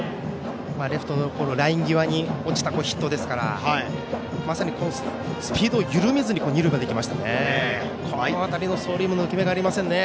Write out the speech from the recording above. レフトのライン際に落ちたヒットですからまさにスピードを緩めずに二塁へ行きましたね。